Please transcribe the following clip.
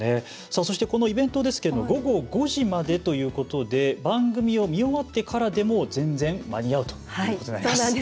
このイベントですが午後５時までということで番組を見終わってからでも全然間に合うということになります。